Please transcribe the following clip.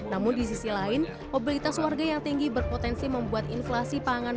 namun di sisi lain mobilitas warga yang tinggi berpotensi membuat inflasi pangan